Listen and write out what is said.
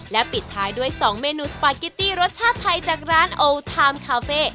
และปิดท้ายด้วย๒เมนูสปาเกตตี้รสชาติไทยจากร้านโอไทม์คาเฟ่